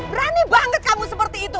berani banget kamu seperti itu